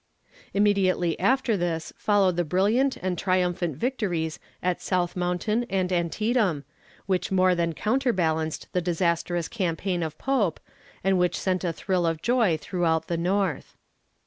Immediately after this followed the brilliant and triumphant victories at South Mountain and Antietam, which more than counterbalanced the disastrous campaign of Pope, and which sent a thrill of joy throughout the North.